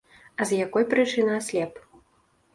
А з якой прычыны аслеп?